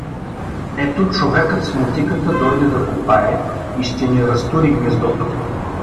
Ето човекът с мотиката дойде да копае и ще ни разтури гнездото.